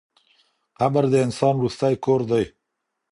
قبر د انسان وروستی کور دی.